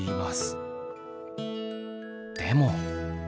でも。